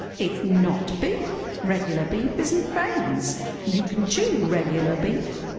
It's not beef. Regular beef isn't veins. You can chew regular beef.